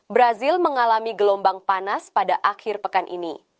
brazil mengalami gelombang panas pada akhir pekan ini